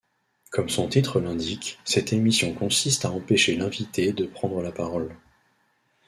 Comme son titre l'indique, cette émission consiste à empêcher l'invité de prendre la parole.